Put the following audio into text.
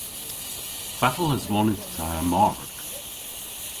Fatel aswonydh ta Mark?